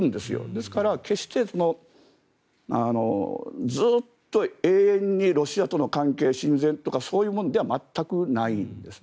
ですから、決してずっと永遠にロシアとの関係は親善とかそういうものでは全くないです。